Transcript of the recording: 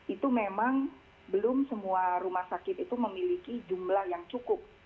itu memang belum semua rumah sakit itu memiliki jumlah yang cukup